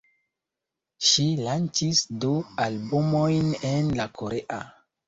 Ŝi lanĉis du albumojn en la korea.